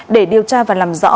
để điều tra và làm rõ